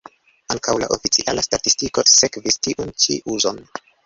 Ankaŭ la oficiala statistiko sekvis tiun ĉi uzon.